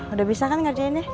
udah bisa kan ngerjainnya